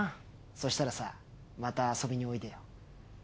そしたらさぁまた遊びにおいでよ。